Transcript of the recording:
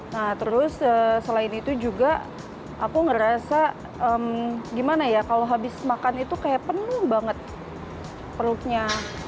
nah terus selain itu juga aku ngerasa gimana ya kalau habis makan itu kayak penuh banget perutnya